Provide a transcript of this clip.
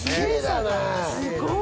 すごい！